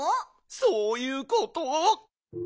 そういうこと！